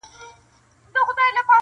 له خوښیو ټول کشمیر را سره خاندي,